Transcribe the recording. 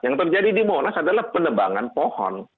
yang terjadi di monas adalah penebangan pohon